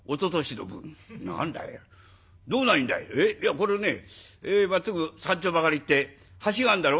「これねまっつぐ三丁ばかり行って橋があんだろ？